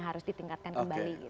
harus ditingkatkan kembali